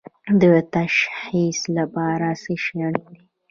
د تشخیص لپاره څه شی اړین دي؟